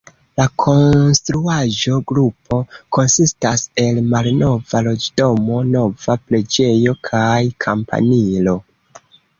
La konstruaĵo-grupo konsistas el malnova loĝdomo, nova preĝejo kaj kampanilo.